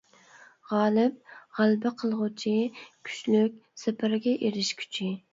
غالىب : غەلىبە قىلغۇچى، كۈچلۈك، زەپەرگە ئېرىشكۈچى.